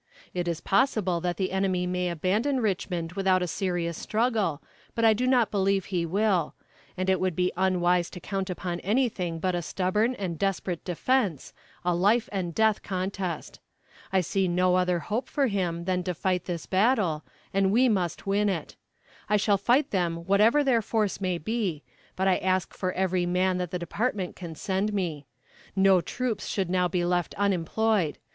It is possible that the enemy may abandon Richmond without a serious struggle, but I do not believe he will; and it would be unwise to count upon anything but a stubborn and desperate defense a life and death contest. I see no other hope for him than to fight this battle, and we must win it. I shall fight them whatever their force may be; but I ask for every man that the department can send me. No troops should now be left unemployed.